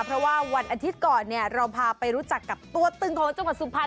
เพราะว่าวันอาทิตย์ก่อนเราพาไปรู้จักกับตัวตึงของจังหวัดสุพรรณ